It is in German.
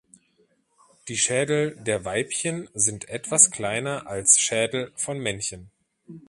Die Schädel der Weibchen sind etwas kleiner als Schädel von Männchen.